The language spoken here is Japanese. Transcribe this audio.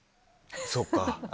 そっか。